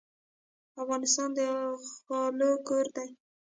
افغانستان د غلو کور دی.